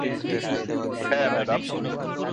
হ্যা, ম্যাডাম।